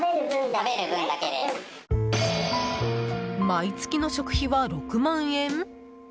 毎月の食費は６万円？